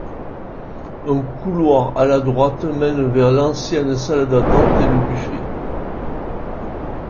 Un couloir à la droite mène vers l'ancienne salle d'attente et le buffet.